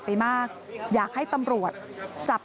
ปี๖๕วันเช่นเดียวกัน